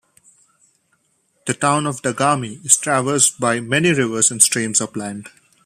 The town of Dagami is traversed by many rivers and streams upland.